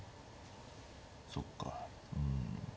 そっかうん。